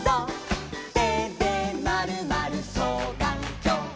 「てでまるまるそうがんきょう」